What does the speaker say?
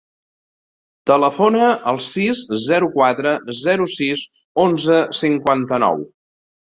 Telefona al sis, zero, quatre, zero, sis, onze, cinquanta-nou.